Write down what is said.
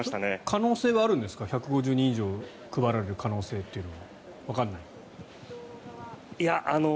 可能性はあるんですか１５０人以上配られる可能性というのは。